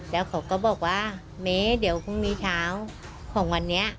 แล้วเขาก็บอกว่าเมเดี๋ยวพรุ่งนี้เช้าของวันนี้